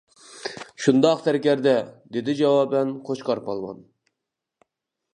-شۇنداق، سەركەردە، -دېدى جاۋابەن قوچقار پالۋان.